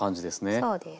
そうです。